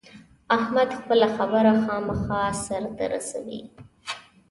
احمد خپله خبره خامخا سر ته رسوي.